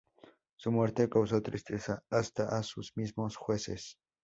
Su muerte causó tristeza hasta a sus mismos jueces.